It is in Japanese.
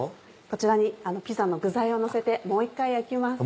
こちらにピザの具材をのせてもう１回焼きます。